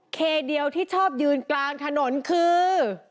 เคเดียวที่ชอบยืนกลางถนนคือ